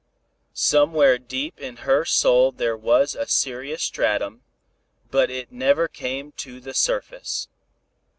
Somewhere deep in her soul there was a serious stratum, but it never came to the surface.